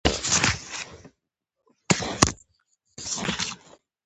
د زیربنا ستونزې حل شوي؟